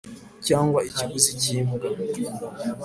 cyangwa ikiguzi cy imbwa